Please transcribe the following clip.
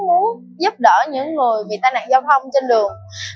để giúp đỡ những người bị tai nạn giao thông trên đường